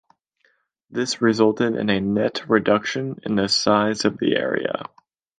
This resulted in a net reduction in the size of the area.